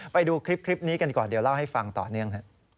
ไปดูคลิปนี้กันก่อนเดี๋ยวเล่าให้ฟังต่อเนื่อง